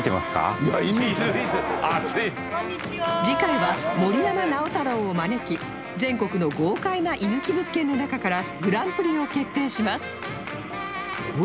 次回は森山直太朗を招き全国の豪快な居抜き物件の中からグランプリを決定します